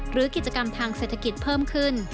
หรือกิจกรรมทางเศรษฐกิจเพิ่มขึ้น